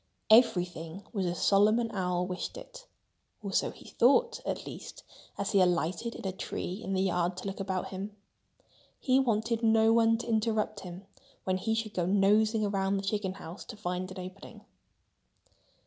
Everything was as Solomon Owl wished it—or so he thought, at least, as he alighted in a tree in the yard to look about him. He wanted no one to interrupt him when he should go nosing around the chicken house, to find an opening.